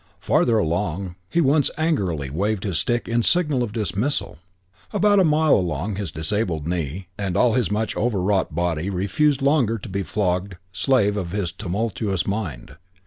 Farther along he once angrily waved his stick in signal of dismissal. About a mile along his disabled knee, and all his much overwrought body refused longer to be the flogged slave of his tumultuous mind.